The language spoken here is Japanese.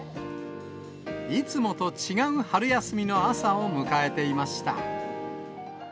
いつもと違う春休みの朝を迎えていました。